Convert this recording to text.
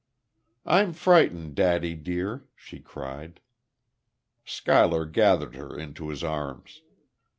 "I'm frightened, daddy dear," she cried. Schuyler gathered her into his arms.